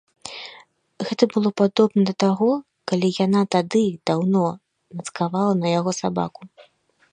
Гэта было падобна да таго, калі яна тады, даўно, нацкавала на яго сабаку.